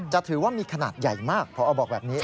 ถือว่ามีขนาดใหญ่มากพอบอกแบบนี้